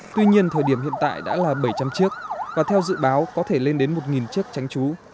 tuy nhiên thời điểm hiện tại đã là bảy trăm linh chiếc và theo dự báo có thể lên đến một chiếc tránh trú